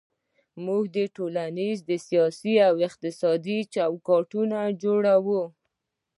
موږ ټولنیز، سیاسي او اقتصادي چوکاټونه جوړوو.